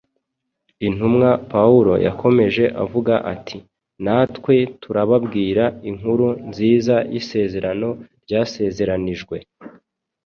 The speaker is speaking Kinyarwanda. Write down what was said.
Intumwa Pawulo yakomeje avuga ati, ” Natwe turababwira inkuru nziza y’isezerano ryasezeranijwe